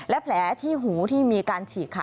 และแผลที่หูที่มีการฉีกค่ะ